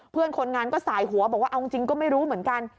เพื่อนคนงานก็สายหัวบอกว่าเอาจริงก็ไม่รู้เหมือนกัน